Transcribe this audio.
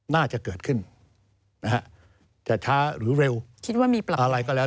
น่าจะเกิดขึ้นจะช้าหรือเร็วอะไรก็แล้ว